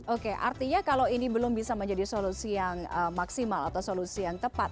oke artinya kalau ini belum bisa menjadi solusi yang maksimal atau solusi yang tepat